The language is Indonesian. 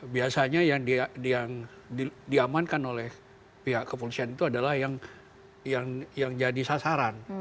biasanya yang diamankan oleh pihak kepolisian itu adalah yang jadi sasaran